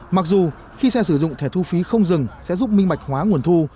mặc dù khi xe sử dụng thẻ thu phí không dừng sẽ giúp minh bạch hóa nguồn thu